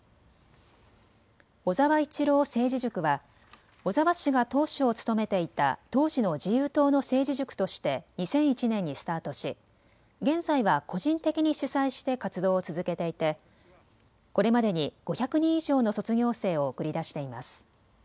小沢一郎政治塾は小沢氏が党首を務めていた当時の自由党の政治塾として２００１年にスタートし現在は個人的に主宰して活動を続けていてこれまでに５００人以上の卒業生を送り出しています。